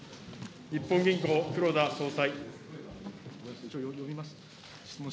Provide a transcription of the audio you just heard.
日本銀行、黒田総裁。